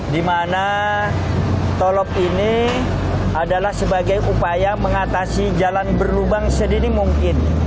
dimana tolop ini adalah sebagai upaya mengatasi jalan berlubang sedini mungkin